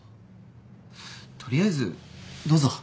とりあえずどうぞ。